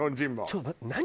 「ちょっと何？